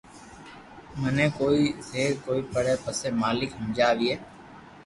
مني ڪوئي زبر ڪوئي پري پسي مالڪ ھمجاوئي